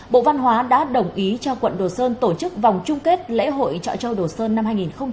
bộ văn hóa đã đồng ý cho quận đồ sơn tổ chức vòng chung kết lễ hội trọi trâu đồ sơn năm hai nghìn một mươi bảy